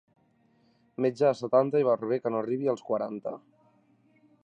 Metge de setanta i barber que no arribi als quaranta.